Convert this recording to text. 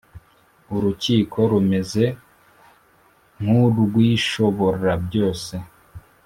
urukiko rumeze nk urw Ishoborabyose